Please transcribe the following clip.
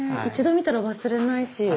一度見たら忘れないし。